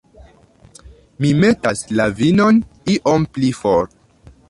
Mi metas la vinon iom pli for